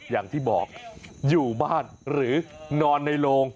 อย่างที่บอกอยู่บ้านหรือนอนในโรง